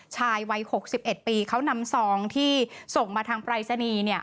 ชายวัย๖๑ปีเขานำซองที่ส่งมาทางปรายศนีย์